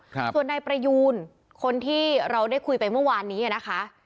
ครับส่วนนายประยูนคนที่เราได้คุยไปเมื่อวานนี้อ่ะนะคะ